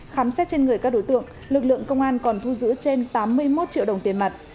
khám xét trên người các đối tượng lực lượng công an còn thu giữ trên tám mươi một triệu đồng tiền mặt